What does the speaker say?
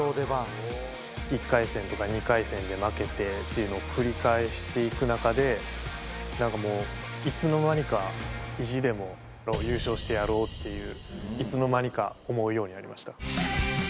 １回戦とか２回戦とかで負けてっていうのを繰り返していく中でなんかもう、いつの間にか意地でも優勝してやろうっていういつの間にか思うようになりました。